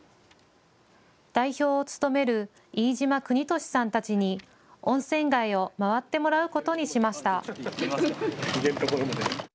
代表を務める飯島邦敏さんたちに温泉街を回ってもらうことにしました。